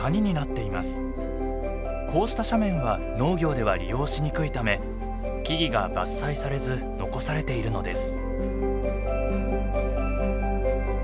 こうした斜面は農業では利用しにくいため木々が伐採されず残されているのです。